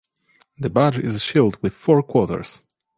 The badge is a shield with four quarters.